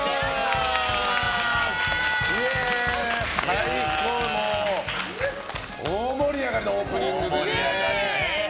最高の、大盛り上がりのオープニングでね。